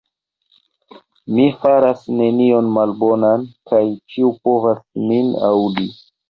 Mi faras nenion malbonan, kaj ĉiu povas min aŭdi.